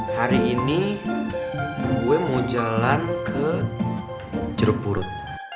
hari ini gue mau jalan ke jeruk purut